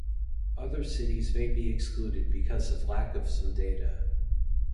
Other cities may be excluded because of lack of some data.